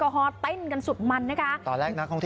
หลบ